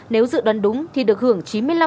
nếu dự đoán đúng thì được hưởng chín mươi năm